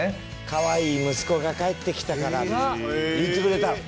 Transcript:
「可愛い息子が帰ってきたから」って言ってくれたの。